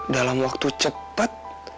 dalam waktu cepet